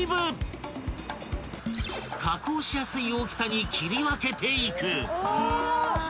［加工しやすい大きさに切り分けていく］